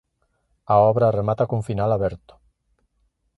A obra remata cun final aberto.